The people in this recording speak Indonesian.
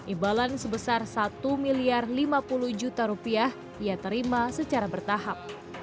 imbalan sebesar satu miliar lima puluh juta rupiah ia terima secara bertahap